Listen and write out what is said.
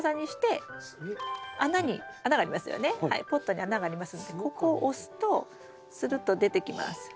ポットに穴がありますのでここ押すとするっと出てきます。